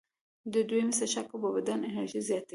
د دویمې څښاک اوبه د بدن انرژي زیاتوي.